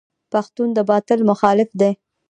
پښتون د باطل مخالف دی.